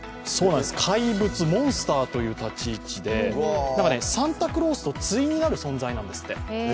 怪物、モンスターという立ち位置で、サンタクロースと対になる存在なんですって。